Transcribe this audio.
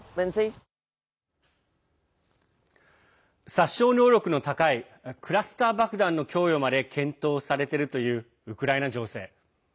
殺傷能力の高いクラスター爆弾の供与まで検討されているというウクライナ情勢。